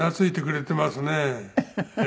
フフフフ。